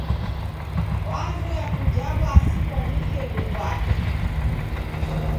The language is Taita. Wazoye kuja w'asi kwa w'ukelu ghwape.